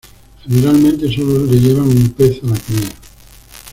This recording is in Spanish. Generalmente solo le llevan un pez a la cría.